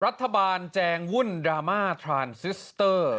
รัฐบาลแจงวุ่นดราม่าทรานซิสเตอร์